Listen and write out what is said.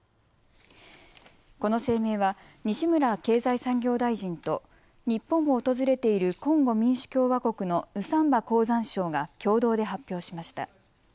この声明は西村経済産業大臣と日本を訪れているコンゴ民主共和国のンサンバ鉱山相が共同で発表しました。